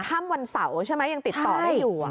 ค่ำวันเสาร์ใช่ไหมยังติดต่อได้อยู่